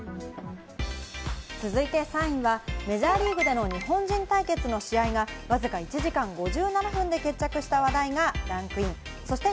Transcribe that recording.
続いて３位はメジャーリーグでの日本人対決の試合がわずか１時間５７分で決着した話題がランクイン。